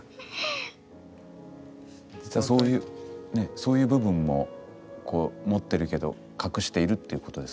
そういう部分もこう持ってるけど隠しているっていうことですか？